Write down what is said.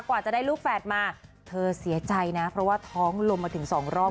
กว่าจะได้ลูกแฝดมาเธอเสียใจนะเพราะว่าท้องลมมาถึงสองรอบ